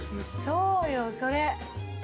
そうよそれ。